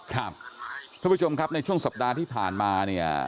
ครับท่านผู้ชมครับในช่วงสัปดาห์ที่ผ่านมา